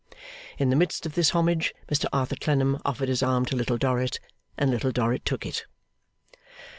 In the midst of this homage, Mr Arthur Clennam offered his arm to Little Dorrit, and Little Dorrit took it.